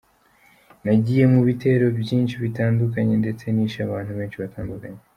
Nagiye mu bitero byinshi bitandukanye ndetse nishe abantu benshi batandukanye.